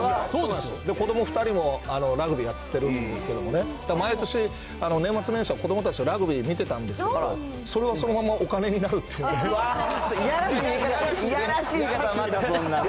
子ども２人もラグビーやってるんですけどもね、毎年、年末年始は子どもたちとラグビー見てたんですけど、それがそのままお金になるっていうね。